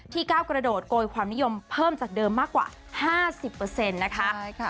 ก้าวกระโดดโกยความนิยมเพิ่มจากเดิมมากกว่า๕๐นะคะ